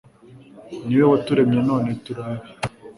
ni we waturemye none turi abe